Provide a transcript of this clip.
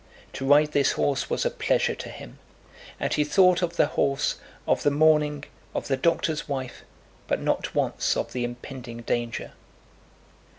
To ride this horse was a pleasure to him, and he thought of the horse, of the morning, of the doctor's wife, but not once of the impending danger.